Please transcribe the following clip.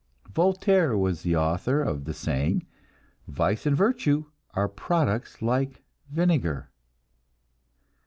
Voltaire was author of the saying, "Vice and virtue are products like vinegar."